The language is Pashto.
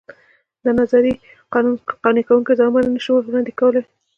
دا نظریې قانع کوونکي ځوابونه نه شي وړاندې کولای.